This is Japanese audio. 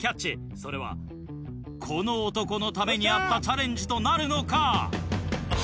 それはこの男のためにあったチャレンジとなるのか。